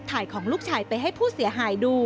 ทำไมเราต้องเป็นแบบเสียเงินอะไรขนาดนี้เวรกรรมอะไรนักหนา